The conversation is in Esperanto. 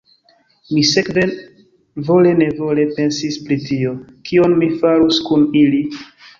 Mi sekve vole-nevole pensis pri tio, kion mi farus kun ili.